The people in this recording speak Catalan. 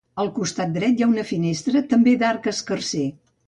Al costat dret hi ha una finestra, també d'arc escarser.